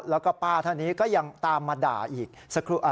แล้วก็ป้าท่านนี้ก็ยังตามมาด่าอีกสักครู่